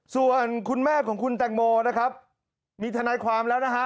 ส่วนคุณแม่ของคุณแตงโมนะครับมีทนายความแล้วนะฮะ